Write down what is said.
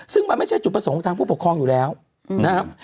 ซึ่งมันไม่ใช่จุดประสงค์ทางผู้ปกครองอยู่แล้วนะครับ